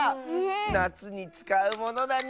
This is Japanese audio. なつにつかうものだね。